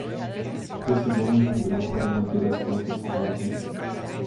Precisamos de um grão para manter as plantas saudáveis.